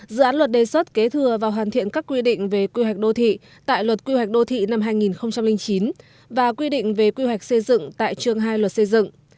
dự án luật đề xuất kế thừa và hoàn thiện các quy định về quy hoạch đô thị tại luật quy hoạch đô thị năm hai nghìn chín và quy định về quy hoạch xây dựng tại trường hai luật xây dựng